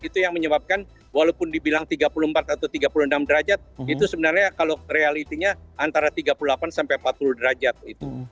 itu yang menyebabkan walaupun dibilang tiga puluh empat atau tiga puluh enam derajat itu sebenarnya kalau realitinya antara tiga puluh delapan sampai empat puluh derajat itu